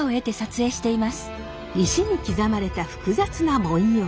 石に刻まれた複雑な文様。